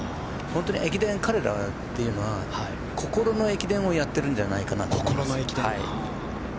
本当に駅伝、彼らというのは心の駅伝をやっているんじゃないかと思います。